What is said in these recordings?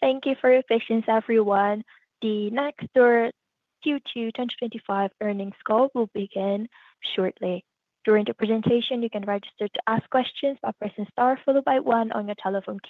Thank you for your patience, everyone. The Nextdoor Q2 2025 Earnings Call will begin shortly. During the presentation, you can register to ask questions by pressing star followed by one on your telephone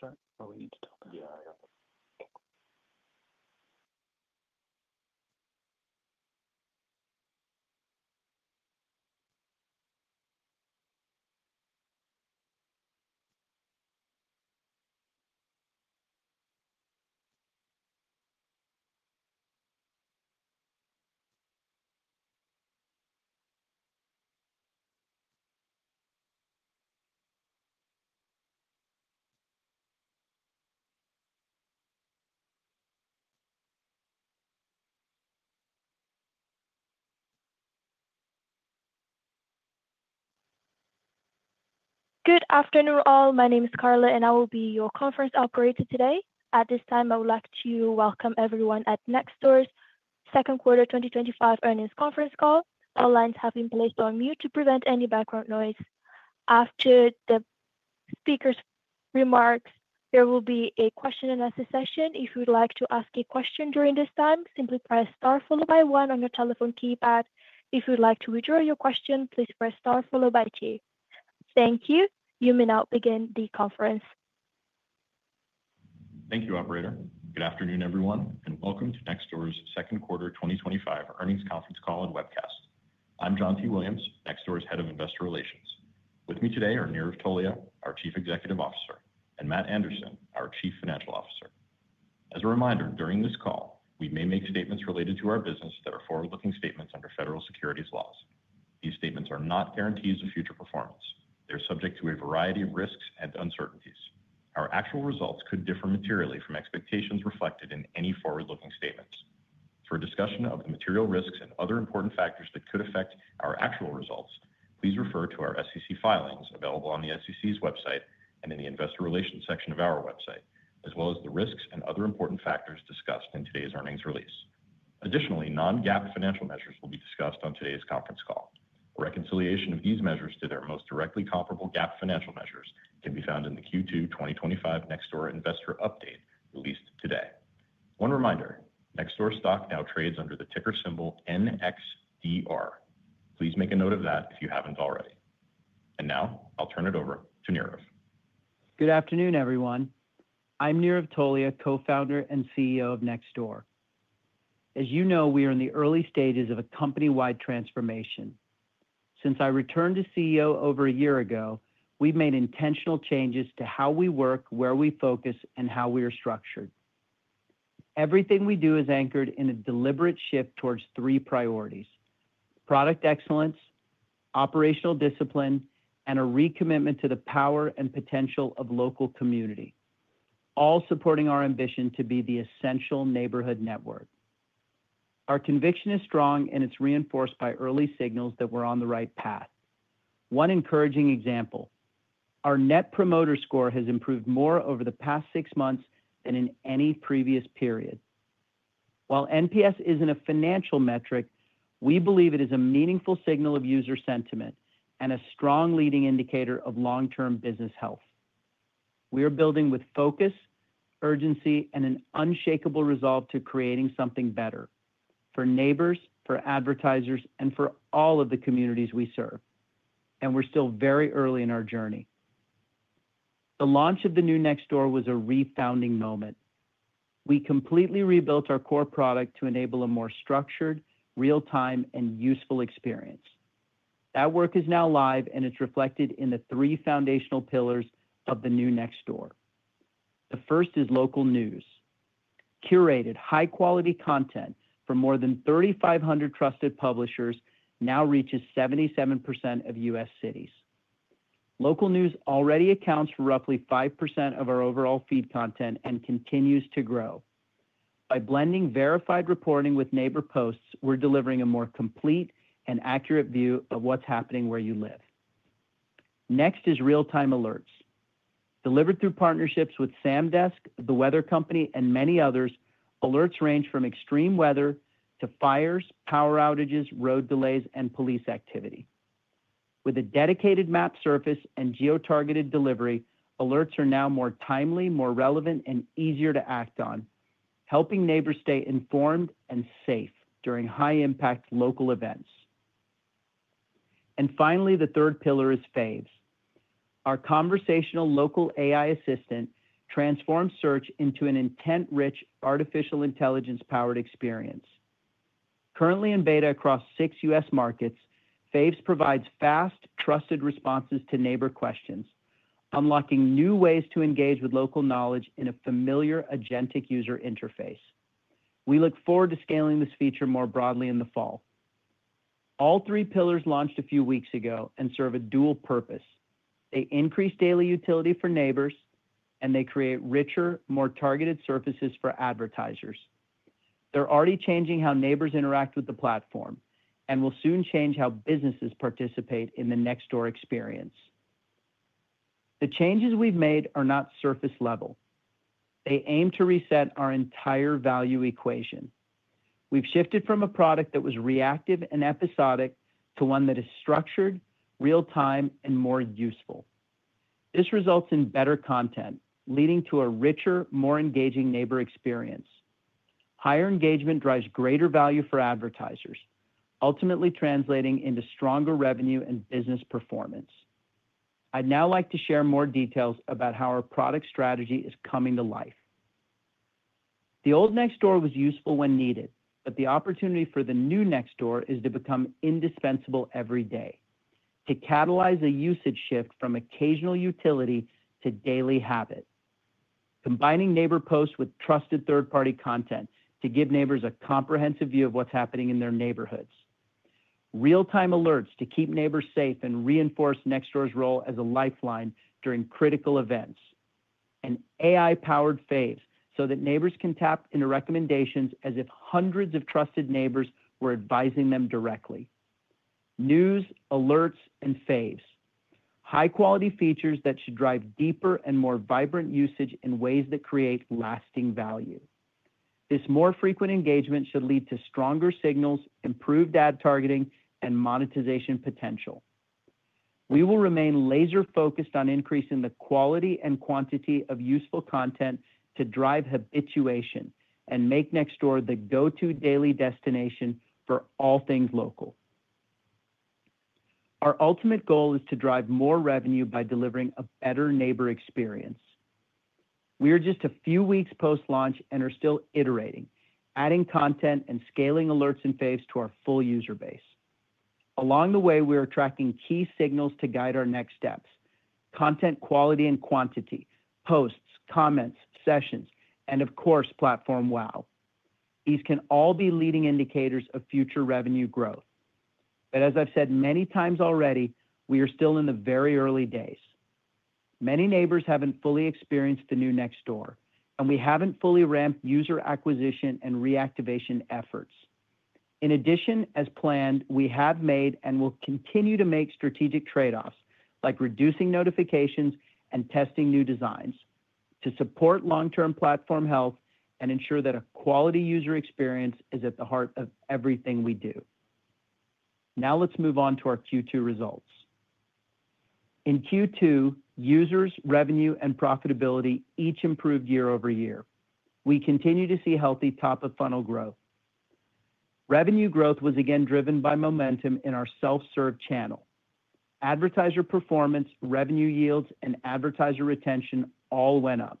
key. Good afternoon, all. My name is Carla, and I will be your conference operator today. At this time, I would like to welcome everyone at Nextdoor's Second Quarter 2025 Earnings Conference Call. All lines have been placed on mute to prevent any background noise. After the speaker's remarks, there will be a question-and-answer session. If you would like to ask a question during this time, simply press star followed by one on your telephone keypad. If you would like to withdraw your question, please press star followed by two. Thank you. You may now begin the conference. Thank you, operator. Good afternoon, everyone, and welcome to Nextdoor's Second Quarter 2025 Earnings Conference Call and Webcast. I'm John T. Williams, Nextdoor's Head of Investor Relations. With me today are Nirav Tolia, our Chief Executive Officer, and Matt Anderson, our Chief Financial Officer. As a reminder, during this call, we may make statements related to our business that are forward-looking statements under federal securities laws. These statements are not guarantees of future performance. They're subject to a variety of risks and uncertainties. Our actual results could differ materially from expectations reflected in any forward-looking statements. For a discussion of the material risks and other important factors that could affect our actual results, please refer to our SEC filings available on the SEC's website and in the Investor Relations section of our website, as well as the risks and other important factors discussed in today's earnings release. Additionally, non-GAAP financial measures will be discussed on today's conference call. Reconciliation of these measures to their most directly comparable GAAP financial measures can be found in the Q2 2025 Nextdoor Investor Update released today. One reminder, Nextdoor stock now trades under the ticker symbol NXDR. Please make a note of that if you haven't already. I'll turn it over to Nirav. Good afternoon, everyone. I'm Nirav Tolia, Co-Founder and CEO of Nextdoor. As you know, we are in the early stages of a company-wide transformation. Since I returned to CEO over a year ago, we've made intentional changes to how we work, where we focus, and how we are structured. Everything we do is anchored in a deliberate shift towards three priorities: product excellence, operational discipline, and a recommitment to the power and potential of local community, all supporting our ambition to be the essential neighborhood network. Our conviction is strong, and it's reinforced by early signals that we're on the right path. One encouraging example: our Net Promoter Score has improved more over the past six months than in any previous period. While NPS isn't a financial metric, we believe it is a meaningful signal of user sentiment and a strong leading indicator of long-term business health. We are building with focus, urgency, and an unshakable resolve to creating something better for neighbors, for advertisers, and for all of the communities we serve. We're still very early in our journey. The launch of the new Nextdoor was a re-founding moment. We completely rebuilt our core product to enable a more structured, real-time, and useful experience. That work is now live, and it's reflected in the three foundational pillars of the new Nextdoor. The first is local news. Curated high-quality content from more than 3,500 trusted publishers now reaches 77% of U.S. cities. Local news already accounts for roughly 5% of our overall feed content and continues to grow. By blending verified reporting with neighbor posts, we're delivering a more complete and accurate view of what's happening where you live. Next is real-time alerts. Delivered through partnerships with Samdesk, The Weather Company, and many others, alerts range from extreme weather to fires, power outages, road delays, and police activity. With a dedicated map surface and geo-targeted delivery, alerts are now more timely, more relevant, and easier to act on, helping neighbors stay informed and safe during high-impact local events. Finally, the third pillar is Faves. Our conversational local AI assistant transforms search into an intent-rich, artificial intelligence-powered experience. Currently in beta across six U.S. markets, Faves provides fast, trusted responses to neighbor questions, unlocking new ways to engage with local knowledge in a familiar agentic user interface. We look forward to scaling this feature more broadly in the fall. All three pillars launched a few weeks ago and serve a dual purpose. They increase daily utility for neighbors, and they create richer, more targeted surfaces for advertisers. They're already changing how neighbors interact with the platform and will soon change how businesses participate in the Nextdoor experience. The changes we've made are not surface-level. They aim to reset our entire value equation. We've shifted from a product that was reactive and episodic to one that is structured, real-time, and more useful. This results in better content, leading to a richer, more engaging neighbor experience. Higher engagement drives greater value for advertisers, ultimately translating into stronger revenue and business performance. I'd now like to share more details about how our product strategy is coming to life. The old Nextdoor was useful when needed, but the opportunity for the new Nextdoor is to become indispensable every day, to catalyze a usage shift from occasional utility to daily habit. Combining neighbor posts with trusted third-party content to give neighbors a comprehensive view of what's happening in their neighborhoods. Real-time alerts to keep neighbors safe and reinforce Nextdoor's role as a lifeline during critical events. AI-powered Faves so that neighbors can tap into recommendations as if hundreds of trusted neighbors were advising them directly. News, alerts, and Faves. High-quality features that should drive deeper and more vibrant usage in ways that create lasting value. This more frequent engagement should lead to stronger signals, improved ad targeting, and monetization potential. We will remain laser-focused on increasing the quality and quantity of useful content to drive habituation and make Nextdoor the go-to daily destination for all things local. Our ultimate goal is to drive more revenue by delivering a better neighbor experience. We are just a few weeks post-launch and are still iterating, adding content and scaling alerts and Faves to our full user base. Along the way, we are tracking key signals to guide our next steps: content quality and quantity, posts, comments, sessions, and of course, platform wow. These can all be leading indicators of future revenue growth. As I've said many times already, we are still in the very early days. Many neighbors haven't fully experienced the new Nextdoor, and we haven't fully ramped user acquisition and reactivation efforts. In addition, as planned, we have made and will continue to make strategic trade-offs, like reducing notifications and testing new designs, to support long-term platform health and ensure that a quality user experience is at the heart of everything we do. Now let's move on to our Q2 results. In Q2, users, revenue, and profitability each improved year-over-year. We continue to see healthy top-of-funnel growth. Revenue growth was again driven by momentum in our self-serve channel. Advertiser performance, revenue yields, and advertiser retention all went up.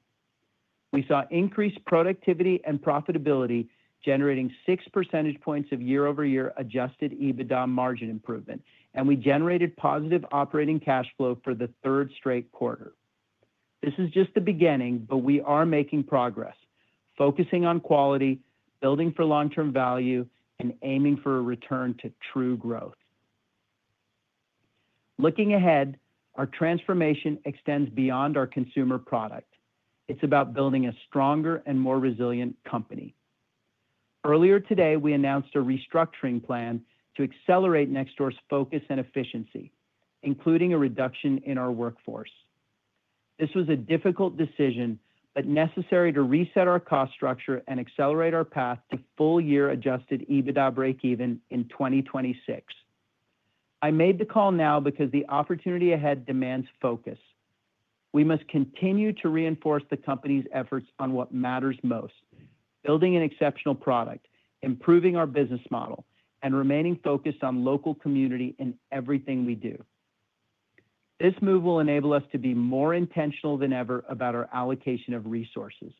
We saw increased productivity and profitability, generating 6% points of year-over-year adjusted EBITDA margin improvement, and we generated positive operating cash flow for the third straight quarter. This is just the beginning, but we are making progress, focusing on quality, building for long-term value, and aiming for a return to true growth. Looking ahead, our transformation extends beyond our consumer product. It's about building a stronger and more resilient company. Earlier today, we announced a restructuring plan to accelerate Nextdoor's focus and efficiency, including a reduction in our workforce. This was a difficult decision, but necessary to reset our cost structure and accelerate our path to full-year adjusted EBITDA breakeven in 2026. I made the call now because the opportunity ahead demands focus. We must continue to reinforce the company's efforts on what matters most: building an exceptional product, improving our business model, and remaining focused on local community in everything we do. This move will enable us to be more intentional than ever about our allocation of resources,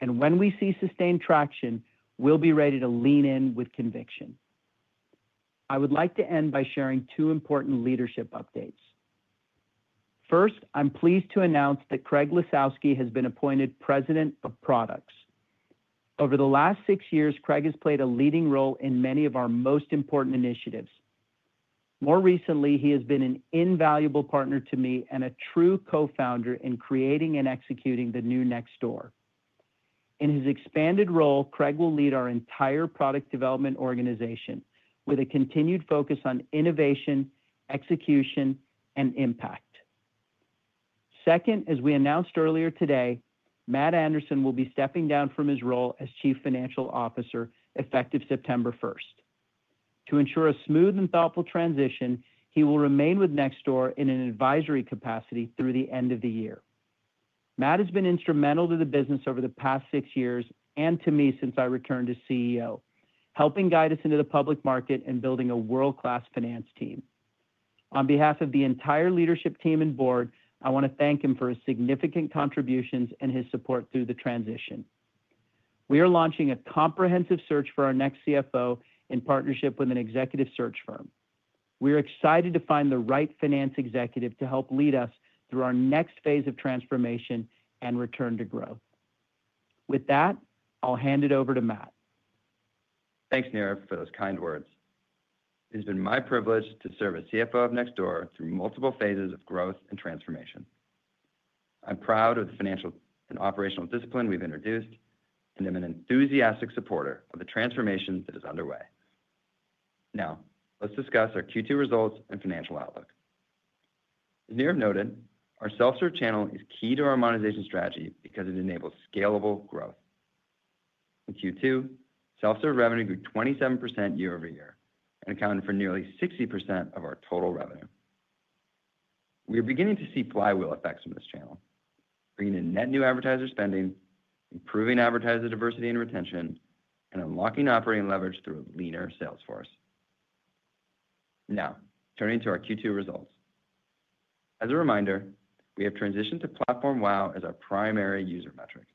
and when we see sustained traction, we'll be ready to lean in with conviction. I would like to end by sharing two important leadership updates. First, I'm pleased to announce that Craig Lisowski has been appointed President of Products. Over the last six years, Craig has played a leading role in many of our most important initiatives. More recently, he has been an invaluable partner to me and a true co-founder in creating and executing the new Nextdoor. In his expanded role, Craig will lead our entire product development organization with a continued focus on innovation, execution, and impact. Second, as we announced earlier today, Matt Anderson will be stepping down from his role as Chief Financial Officer effective September 1st. To ensure a smooth and thoughtful transition, he will remain with Nextdoor in an advisory capacity through the end of the year. Matt has been instrumental to the business over the past six years and to me since I returned to CEO, helping guide us into the public market and building a world-class finance team. On behalf of the entire leadership team and board, I want to thank him for his significant contributions and his support through the transition. We are launching a comprehensive search for our next CFO in partnership with an executive search firm. We are excited to find the right finance executive to help lead us through our next phase of transformation and return to growth. With that, I'll hand it over to Matt. Thanks, Nirav, for those kind words. It has been my privilege to serve as CFO of Nextdoor through multiple phases of growth and transformation. I'm proud of the financial and operational discipline we've introduced, and I'm an enthusiastic supporter of the transformation that is underway. Now, let's discuss our Q2 results and financial outlook. As Nirav noted, our self-serve channel is key to our monetization strategy because it enables scalable growth. In Q2, self-serve revenue grew 27% year-over-year and accounted for nearly 60% of our total revenue. We are beginning to see flywheel effects from this channel, bringing in net new advertiser spending, improving advertiser diversity and retention, and unlocking operating leverage through a leaner sales force. Now, turning to our Q2 results. As a reminder, we have transitioned to platform WOW as our primary user metric.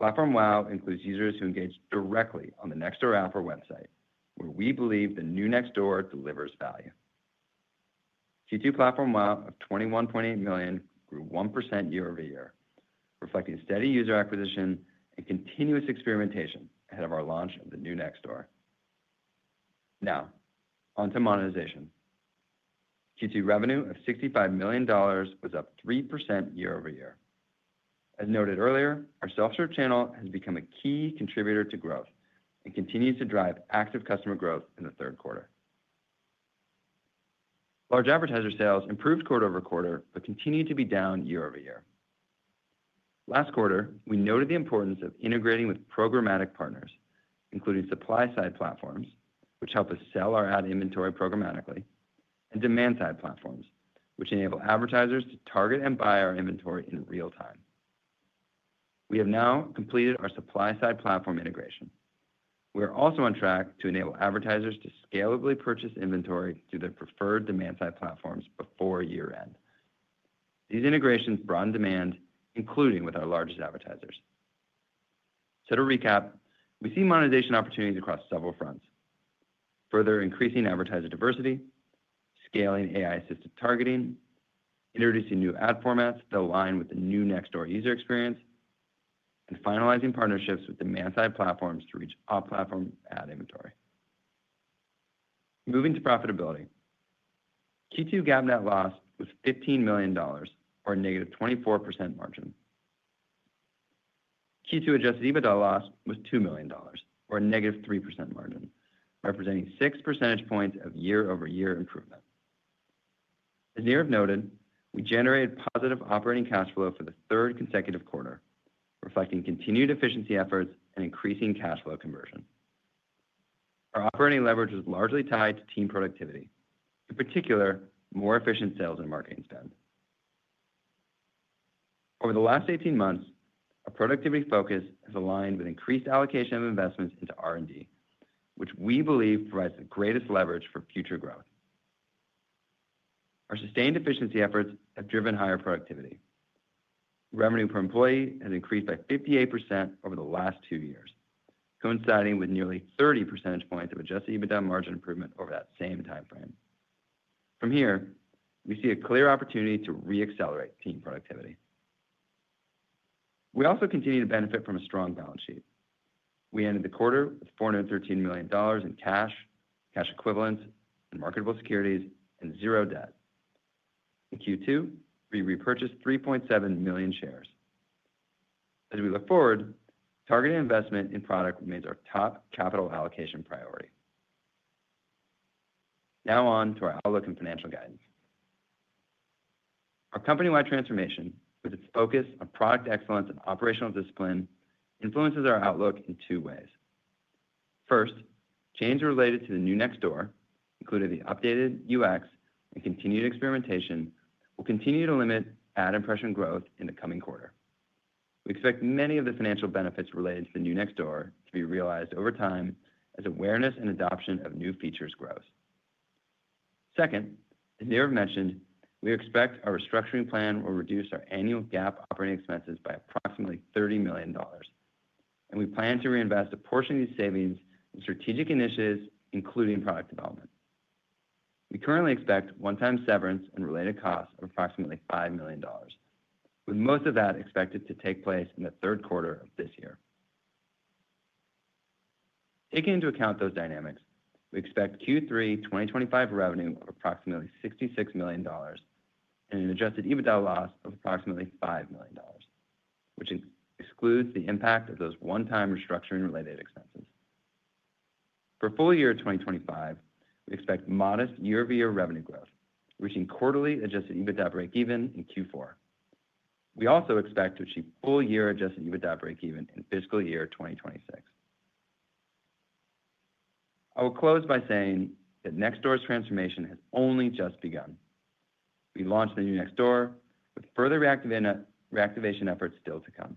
Platform WOW includes users who engage directly on the Nextdoor app or website, where we believe the new Nextdoor delivers value. Q2 platform WOW of 21.8 million grew 1% year-over-year, reflecting steady user acquisition and continuous experimentation ahead of our launch of the new Nextdoor. Now, onto monetization. Q2 revenue of $65 million was up 3% year-over-year. As noted earlier, our self-serve channel has become a key contributor to growth and continues to drive active customer growth in the third quarter. Large advertiser sales improved quarter over quarter, but continue to be down year-over-year. Last quarter, we noted the importance of integrating with programmatic partners, including supply-side platforms, which help us sell our ad inventory programmatically, and demand-side platforms, which enable advertisers to target and buy our inventory in real time. We have now completed our supply-side platform integration. We are also on track to enable advertisers to scalably purchase inventory through their preferred demand-side platforms before year-end. These integrations are on demand, including with our largest advertisers. To recap, we see monetization opportunities across several fronts: further increasing advertiser diversity, scaling AI-assisted targeting, introducing new ad formats that align with the new Nextdoor user experience, and finalizing partnerships with demand-side platforms to reach off-platform ad inventory. Moving to profitability, Q2 GAAP net loss was $15 million, or a negative 24% margin. Q2 adjusted EBITDA loss was $2 million, or a negative 3% margin, representing six percentage points of year-over-year improvement. As Nirav noted, we generated positive operating cash flow for the third consecutive quarter, reflecting continued efficiency efforts and increasing cash flow conversion. Our operating leverage was largely tied to team productivity, in particular, more efficient sales and marketing spend. Over the last 18 months, our productivity focus has aligned with increased allocation of investments into R&D, which we believe provides the greatest leverage for future growth. Our sustained efficiency efforts have driven higher productivity. Revenue per employee has increased by 58% over the last two years, coinciding with nearly 30% points of adjusted EBITDA margin improvement over that same timeframe. From here, we see a clear opportunity to re-accelerate team productivity. We also continue to benefit from a strong balance sheet. We ended the quarter with $413 million in cash, cash equivalents, and marketable securities, and zero debt. In Q2, we repurchased 3.7 million shares. As we look forward, targeted investment in product remains our top capital allocation priority. Now on to our outlook and financial guidance. Our company-wide transformation, with its focus on product excellence and operational discipline, influences our outlook in two ways. First, changes related to the new Nextdoor, including the updated UX and continued experimentation, will continue to limit ad impression growth in the coming quarter. We expect many of the financial benefits related to the new Nextdoor to be realized over time as awareness and adoption of new features grows. Second, as Nirav mentioned, we expect our restructuring plan will reduce our annual GAAP operating expenses by approximately $30 million, and we plan to reinvest a portion of these savings in strategic initiatives, including product development. We currently expect one-time severance and related costs of approximately $5 million, with most of that expected to take place in the third quarter of this year. Taking into account those dynamics, we expect Q3 2025 revenue of approximately $66 million and an adjusted EBITDA loss of approximately $5 million, which excludes the impact of those one-time restructuring-related expenses. For full year 2025, we expect modest year-over-year revenue growth, reaching quarterly adjusted EBITDA breakeven in Q4. We also expect to achieve full-year adjusted EBITDA breakeven in fiscal year 2026. I will close by saying that Nextdoor's transformation has only just begun. We launched the new Nextdoor, with further reactivation efforts still to come.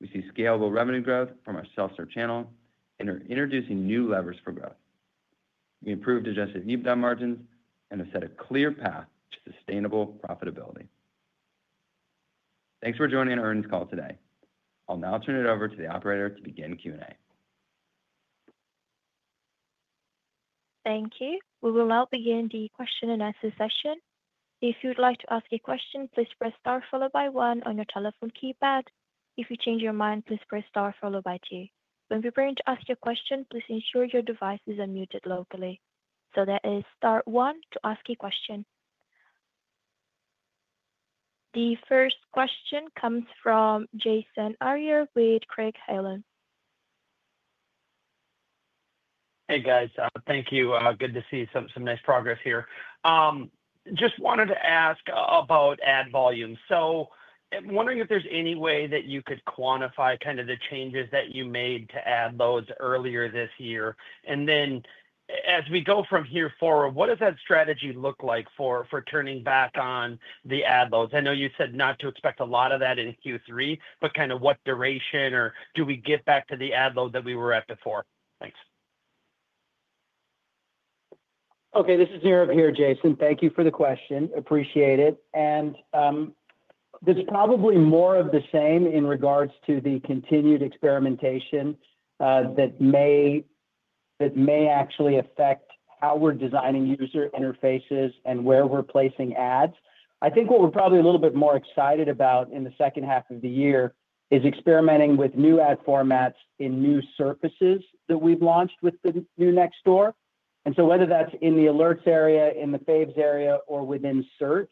We see scalable revenue growth from our self-serve channel and are introducing new levers for growth. We improved adjusted EBITDA margins and have set a clear path to sustainable profitability. Thanks for joining our earnings call today. I'll now turn it over to the operator to begin Q&A. Thank you. We will now begin the question-and-answer session. If you'd like to ask a question, please press * followed by 1 on your telephone keypad. If you change your mind, please press star followed by two. When preparing to ask your question, please ensure your device is unmuted locally. That is star one to ask a question. The first question comes from Jason Kreyer with Craig-Hallum. Hey, guys. Thank you. Good to see some nice progress here. I just wanted to ask about ad volume. I'm wondering if there's any way that you could quantify kind of the changes that you made to ad loads earlier this year. As we go from here forward, what does that strategy look like for turning back on the ad loads? I know you said not to expect a lot of that in Q3, but kind of what duration or do we get back to the ad load that we were at before? Thanks. Okay. This is Nirav here, Jason. Thank you for the question. Appreciate it. It's probably more of the same in regards to the continued experimentation that may actually affect how we're designing user interfaces and where we're placing ads. I think what we're probably a little bit more excited about in the second half of the year is experimenting with new ad formats in new surfaces that we've launched with the new Nextdoor. Whether that's in the alerts area, in the Faves area, or within search,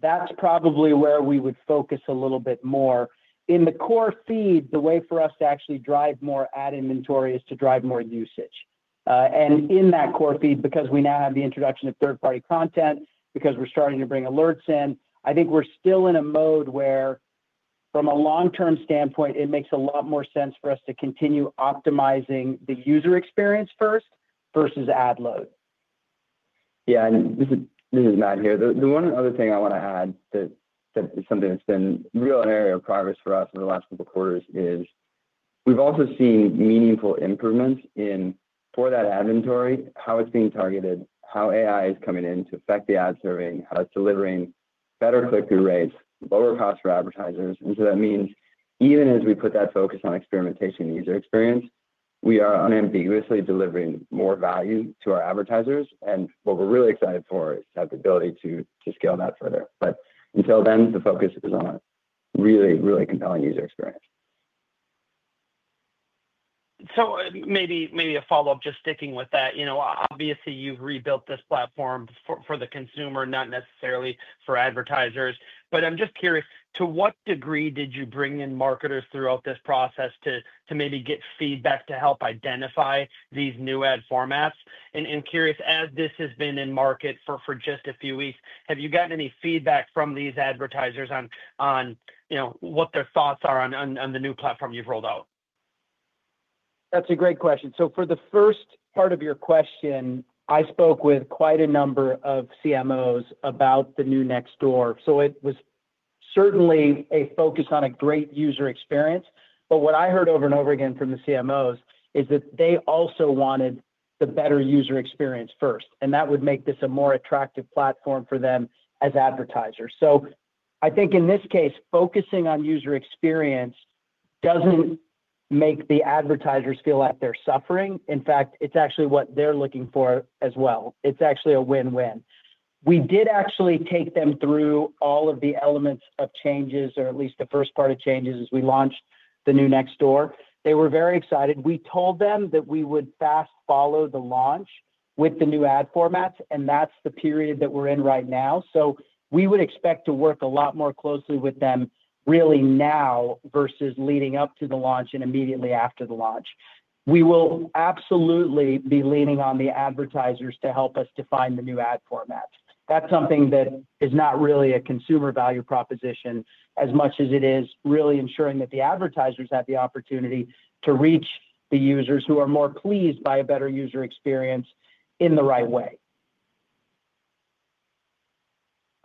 that's probably where we would focus a little bit more. In the core feed, the way for us to actually drive more ad inventory is to drive more usage. In that core feed, because we now have the introduction of third-party content, because we're starting to bring alerts in, I think we're still in a mode where, from a long-term standpoint, it makes a lot more sense for us to continue optimizing the user experience first versus ad load. Yeah. This is Matt here. The one other thing I want to add that is something that's been really an area of progress for us over the last couple of quarters is we've also seen meaningful improvements in, for that ad inventory, how it's being targeted, how AI is coming in to affect the ad survey, how it's delivering better click-through rates, lower costs for advertisers. That means even as we put that focus on experimentation and user experience, we are unambiguously delivering more value to our advertisers. What we're really excited for is that the ability to scale that further. Until then, the focus is on really, really compelling user experience. Maybe a follow-up, just sticking with that. You know, obviously, you've rebuilt this platform for the consumer, not necessarily for advertisers. I'm just curious, to what degree did you bring in marketers throughout this process to maybe get feedback to help identify these new ad formats? I'm curious, as this has been in market for just a few weeks, have you gotten any feedback from these advertisers on what their thoughts are on the new platform you've rolled out? That's a great question. For the first part of your question, I spoke with quite a number of CMOs about the new Nextdoor. It was certainly a focus on a great user experience. What I heard over and over again from the CMOs is that they also wanted the better user experience first, and that would make this a more attractive platform for them as advertisers. I think in this case, focusing on user experience doesn't make the advertisers feel like they're suffering. In fact, it's actually what they're looking for as well. It's actually a win-win. We did actually take them through all of the elements of changes, or at least the first part of changes as we launched the new Nextdoor. They were very excited. We told them that we would fast follow the launch with the new ad formats, and that's the period that we're in right now. We would expect to work a lot more closely with them really now versus leading up to the launch and immediately after the launch. We will absolutely be leaning on the advertisers to help us define the new ad formats. That's something that is not really a consumer value proposition as much as it is really ensuring that the advertisers have the opportunity to reach the users who are more pleased by a better user experience in the right way.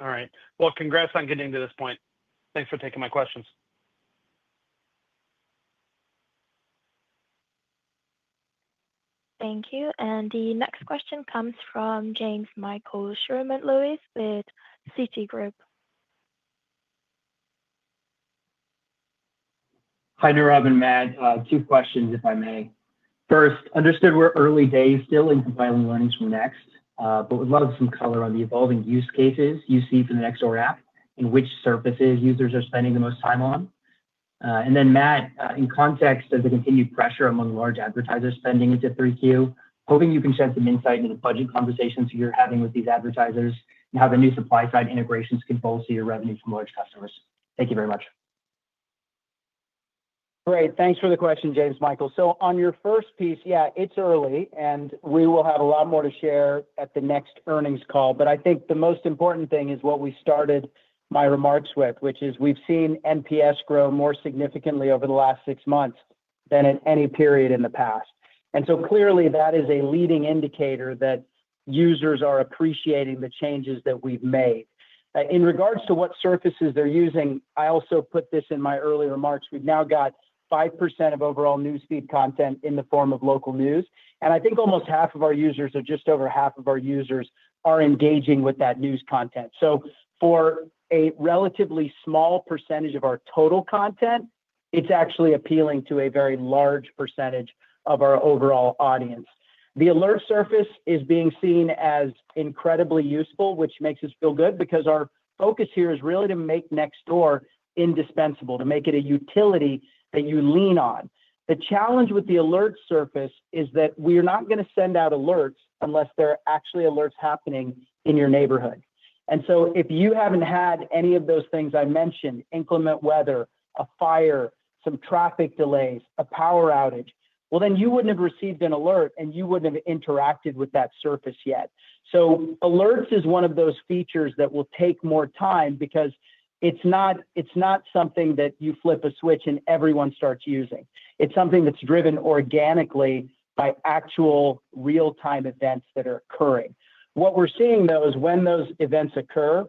All right. Congrats on getting to this point. Thanks for taking my questions. Thank you. The next question comes from Jamesmichael Sherman-Lewis with Citigroup. Hi, Nirav and Matt. Two questions, if I may. First, understood we're early days still in compiling learnings from Next, but would love some color on the evolving use cases you see for the Nextdoor app and which surfaces users are spending the most time on. Matt, in context of the continued pressure among large advertisers spending into 3Q, hoping you can shed some insight into the budget conversations you're having with these advertisers and how the new supply-side integrations can bolster your revenue from large customers. Thank you very much. All right. Thanks for the question, Jamesmichael. On your first piece, yeah, it's early, and we will have a lot more to share at the next earnings call. I think the most important thing is what we started my remarks with, which is we've seen NPS grow more significantly over the last six months than at any period in the past. Clearly, that is a leading indicator that users are appreciating the changes that we've made. In regards to what surfaces they're using, I also put this in my earlier remarks. We've now got 5% of overall newsfeed content in the form of local news. I think almost half of our users or just over half of our users are engaging with that news content. For a relatively small percentage of our total content, it's actually appealing to a very large percentage of our overall audience. The alert surface is being seen as incredibly useful, which makes us feel good because our focus here is really to make Nextdoor indispensable, to make it a utility that you lean on. The challenge with the alert surface is that we are not going to send out alerts unless there are actually alerts happening in your neighborhood. If you haven't had any of those things I mentioned, inclement weather, a fire, some traffic delays, a power outage, then you wouldn't have received an alert, and you wouldn't have interacted with that surface yet. Alerts is one of those features that will take more time because it's not something that you flip a switch and everyone starts using. It's something that's driven organically by actual real-time events that are occurring. What we're seeing, though, is when those events occur,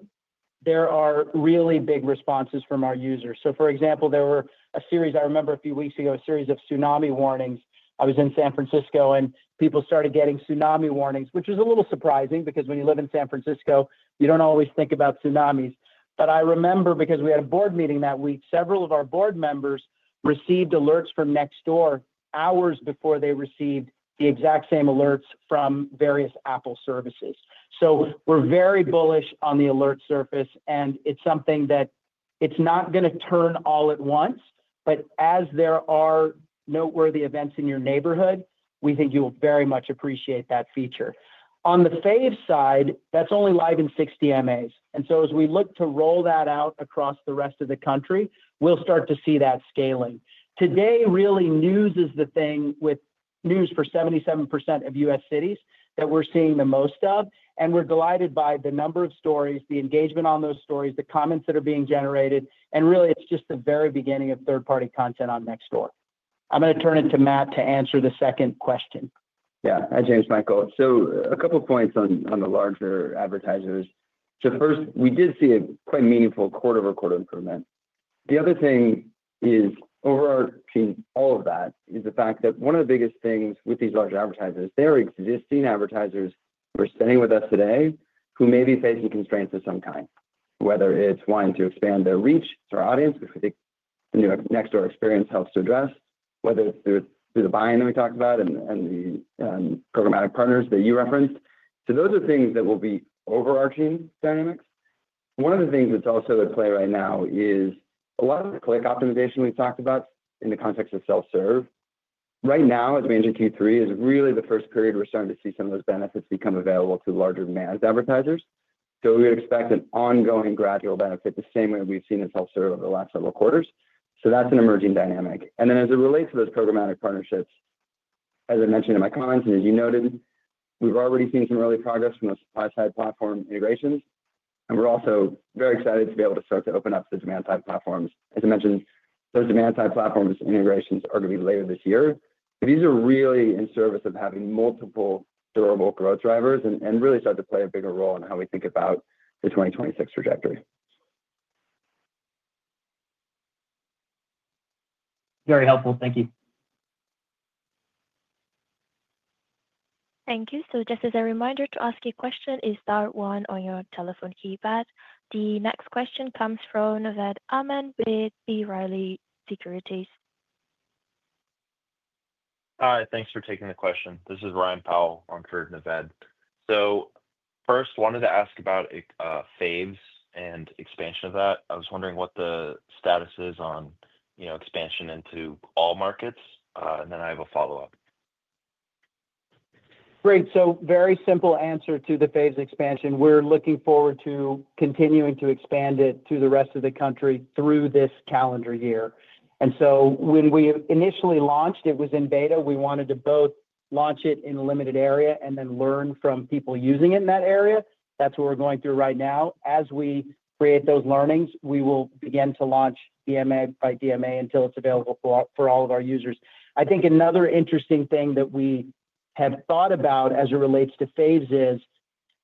there are really big responses from our users. For example, there were a series I remember a few weeks ago, a series of tsunami warnings. I was in San Francisco, and people started getting tsunami warnings, which was a little surprising because when you live in San Francisco, you don't always think about tsunamis. I remember because we had a board meeting that week, several of our board members received alerts from Nextdoor hours before they received the exact same alerts from various Apple services. We're very bullish on the alert surface, and it's something that is not going to turn all at once. As there are noteworthy events in your neighborhood, we think you will very much appreciate that feature. On the Faves side, that's only live in 60 MAs. As we look to roll that out across the rest of the country, we'll start to see that scaling. Today, really, news is the thing with news for 77% of U.S. cities that we're seeing the most of. We're delighted by the number of stories, the engagement on those stories, the comments that are being generated. It's just the very beginning of third-party content on Nextdoor. I'm going to turn it to Matt to answer the second question. Hi, Jamesmichael. A couple of points on the larger advertisers. First, we did see a quite meaningful quarter-over-quarter improvement. The other thing is, overarching all of that is the fact that one of the biggest things with these large advertisers, they are existing advertisers who are sitting with us today who may be facing constraints of some kind, whether it's wanting to expand their reach to our audience, which we think the new Nextdoor experience helps to address, whether it's through the buy-in that we talked about and the programmatic partners that you referenced. Those are things that will be overarching dynamics. One of the things that's also at play right now is a lot of the click optimization we've talked about in the context of self-serve. Right now, as we enter Q3, is really the first period we're starting to see some of those benefits become available to larger mass advertisers. We would expect an ongoing gradual benefit the same way we've seen in self-serve over the last several quarters. That's an emerging dynamic. As it relates to those programmatic partnerships, as I mentioned in my comments and as you noted, we've already seen some early progress from those supply-side platform integrations. We're also very excited to be able to start to open up the demand-side platforms. As I mentioned, those demand-side platform integrations are going to be later this year. These are really in service of having multiple durable growth drivers and really start to play a bigger role in how we think about the 2026 trajectory. Very helpful. Thank you. Thank you. Just as a reminder, to ask a question, press star one on your telephone keypad. The next question comes from Naved Khan with B. Riley Securities. Hi. Thanks for taking the question. This is Ryan Powell on for Naved. First, I wanted to ask about Faves and expansion of that. I was wondering what the status is on expansion into all markets. I have a follow-up. Great. Very simple answer to the Faves expansion. We're looking forward to continuing to expand it to the rest of the country through this calendar year. When we initially launched, it was in beta. We wanted to both launch it in a limited area and then learn from people using it in that area. That's what we're going through right now. As we create those learnings, we will begin to launch DMA by DMA until it's available for all of our users. I think another interesting thing that we have thought about as it relates to Faves is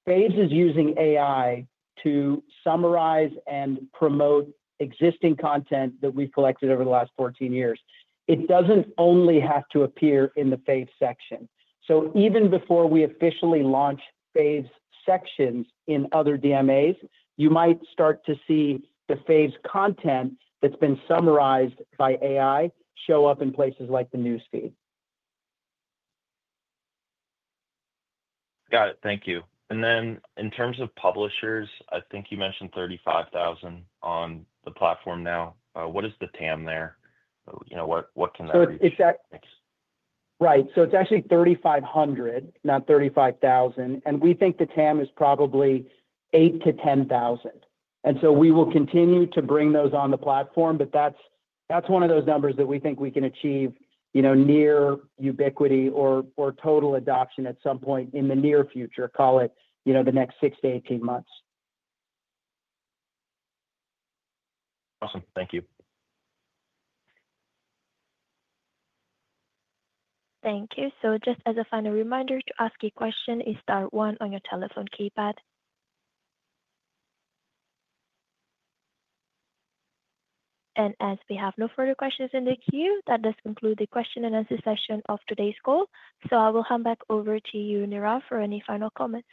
Faves is using AI to summarize and promote existing content that we've collected over the last 14 years. It doesn't only have to appear in the Faves section. Even before we officially launch Faves sections in other DMAs, you might start to see the Faves content that's been summarized by AI show up in places like the newsfeed. Got it. Thank you. In terms of publishers, I think you mentioned 35,000 on the platform now. What is the TAM there? You know, what can that be? Right. It's actually 3,500, not 35,000. We think the TAM is probably 8,000-10,000. We will continue to bring those on the platform. That's one of those numbers that we think we can achieve, you know, near ubiquity or total adoption at some point in the near future, call it, you know, the next 6-18 months. Awesome. Thank you. Thank you. Just as a final reminder, to ask a question, it is star one on your telephone keypad. As we have no further questions in the queue, that does conclude the question-and-answer session of today's call. I will hand back over to you, Nirav, for any final comments.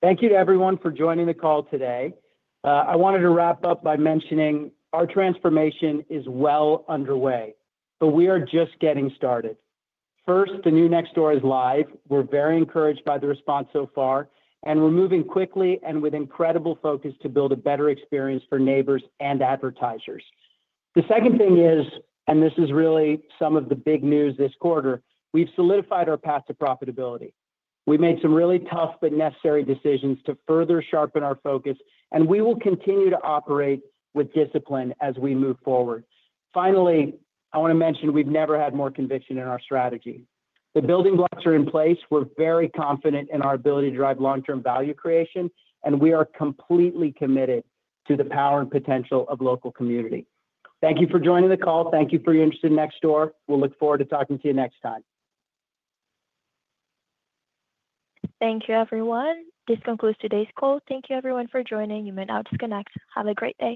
Thank you to everyone for joining the call today. I wanted to wrap up by mentioning our transformation is well underway, but we are just getting started. First, the new Nextdoor is live. We're very encouraged by the response so far, and we're moving quickly and with incredible focus to build a better experience for neighbors and advertisers. The second thing is, and this is really some of the big news this quarter, we've solidified our path to profitability. We made some really tough but necessary decisions to further sharpen our focus, and we will continue to operate with discipline as we move forward. Finally, I want to mention we've never had more conviction in our strategy. The building blocks are in place. We're very confident in our ability to drive long-term value creation, and we are completely committed to the power and potential of local community. Thank you for joining the call. Thank you for your interest in Nextdoor. We'll look forward to talking to you next time. Thank you, everyone. This concludes today's call. Thank you, everyone, for joining. You may now disconnect. Have a great day.